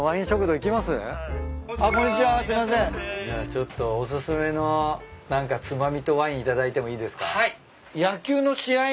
じゃあちょっとお薦めの何かつまみとワイン頂いてもいいですか？